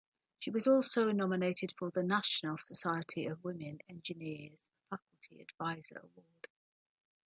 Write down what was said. She was also nominated for the National Society of Women Engineers Faculty Advisor Award.